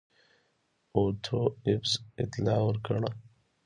اوټو ایفز اطلاع ورکړه.